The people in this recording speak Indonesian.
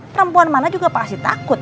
perempuan mana juga pasti takut